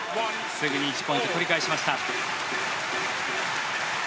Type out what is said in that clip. すぐに１ポイント取り返しました。